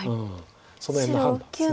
その辺の判断です。